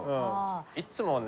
いつもね